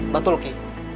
bantu lo ki